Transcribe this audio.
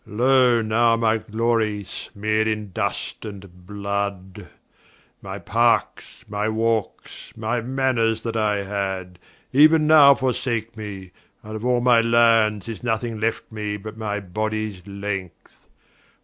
Loe, now my Glory smear'd in dust and blood. My Parkes, my Walkes, my Mannors that I had, Euen now forsake me; and of all my Lands, Is nothing left me, but my bodies length.